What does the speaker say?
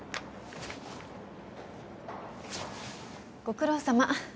ご苦労さま。